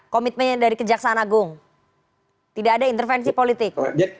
komitmen dari kejaksana agung tidak ada intervensi politik